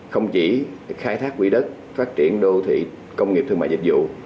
không chỉ khai thác quỹ đất phát triển đô thị công nghiệp thương mại dịch vụ